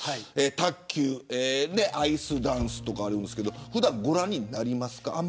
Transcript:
卓球やアイスダンスとかありますけど普段ご覧になりますか。